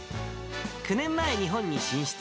９年前、日本に進出。